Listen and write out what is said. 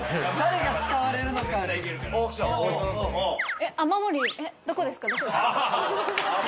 えっ雨漏りどこですか？